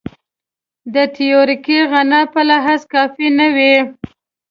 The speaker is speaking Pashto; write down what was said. د تیوریکي غنا په لحاظ کافي نه وي.